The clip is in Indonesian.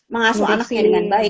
mengasuh anaknya dengan baik